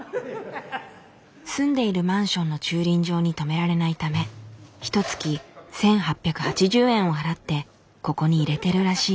住んでいるマンションの駐輪場にとめられないためひとつき１，８８０円を払ってここに入れてるらしい。